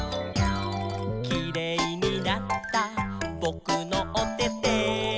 「キレイになったぼくのおてて」